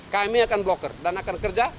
kami akan blokir dan akan kerja